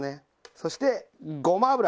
そしてごま油。